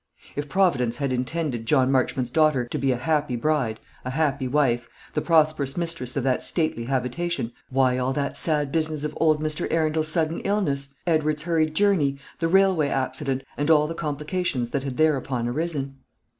If Providence had intended John Marchmont's daughter to be a happy bride, a happy wife, the prosperous mistress of that stately habitation, why all that sad business of old Mr. Arundel's sudden illness, Edward's hurried journey, the railway accident, and all the complications that had thereupon arisen?